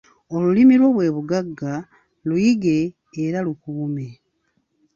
Olulimi lwo bwe bugagga, luyige era lukuume.